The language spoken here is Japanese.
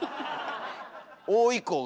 Ｏ以降が。